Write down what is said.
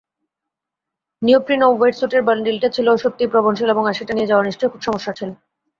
Neoprene ওয়েটস্যূটের বান্ডিলটা ছিল সত্যিই প্লবনশীল আর সেটা নিয়ে যাওয়া নিশ্চয় খুব সমস্যার ছিল।